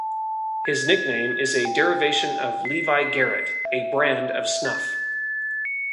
His nickname is a derivation of Levi Garrett, a brand of snuff.